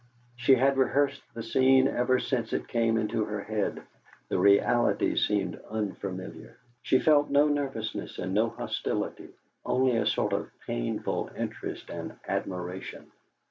She had rehearsed the scene ever since it came into her head; the reality seemed unfamiliar. She felt no nervousness and no hostility, only a sort of painful interest and admiration.